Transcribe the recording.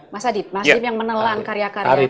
mas adib mas adib yang menelan karya karya tata ini